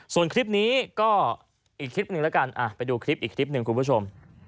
ส่วนคลิปนี้ก็อีกคลิปหนึ่งแล้วกันไปดูคลิปอีกคลิปหนึ่งคุณผู้ชม